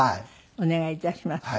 お願い致します。